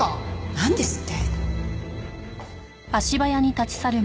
なんですって？